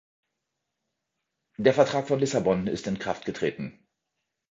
Der Vertrag von Lissabon ist in Kraft getreten.